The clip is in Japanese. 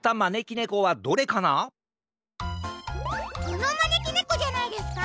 このまねきねこじゃないですか？